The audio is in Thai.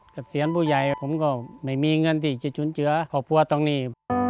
กับเสียงผู้ใหญ่ผมก็ไม่มีเงินที่จะชุนเจื้อขอบคุณตรงนี้